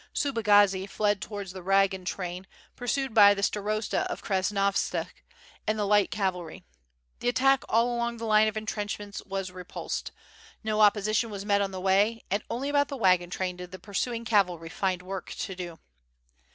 Subagazi fled towards the wagon train pur sued by the Starosta of Krasnostavsk and the light cavalry. The attack all along the line of entrenchments was repulsed. No opposition was met on the way and only about the wagon train did the pursuing cavalry find work to do.